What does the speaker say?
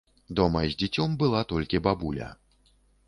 Дома з дзіцем была толькі бабуля.